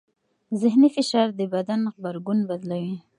ذهني فشار د بدن غبرګون بدلوي.